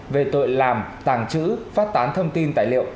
về tội làm tàng trữ phát tán thông tin tài liệu